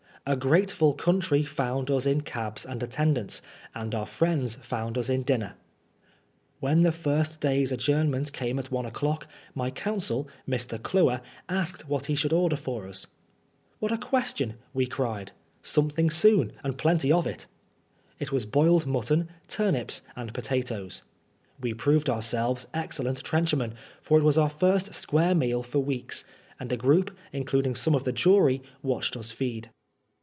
A grateful country found us in cabs and attendants, and our friends found us in dinner. When the first day's adjournment came at one o'clock, my counsel, Mr. Cluer, asked what he should order for us. " What a question !" we cried. ^Something soon, and plenty of if It was boiled mutton, turnips, and potatoes. We proved ourselves excellent trenchermen, for it was our first square meal tot weeks ; and a group, including some of the jury, watched us feed.